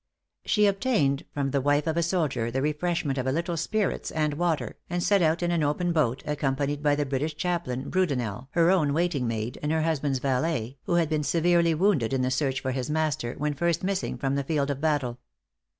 She obtained from the wife of a soldier the refreshment of a little spirits and water, and set out in an open boat, accompanied by the British chaplain Brudenell, her own waiting maid, and her husband's valet, who had been severely wounded in the search for his master when first missing from the field of battle.